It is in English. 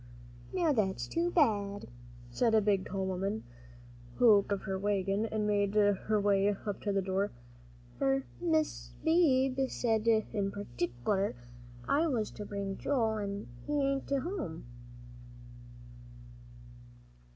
"Now that's too bad," said a big tall woman, who got out of the wagon and made her way up to the door, "for Mis' Beebe said in partic'ler I was to bring Joel, an' he ain't to home."